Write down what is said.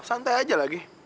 santai aja lagi